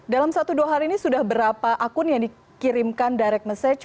dalam satu dua hari ini sudah berapa akun yang dikirimkan direct message